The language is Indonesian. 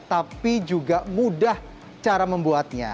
tapi juga mudah cara membuatnya